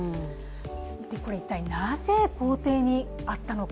これ一体なぜ校庭にあったのか。